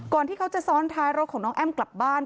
ที่เขาจะซ้อนท้ายรถของน้องแอ้มกลับบ้าน